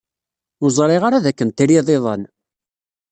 Ur ẓriɣ ara dakken trid iḍan.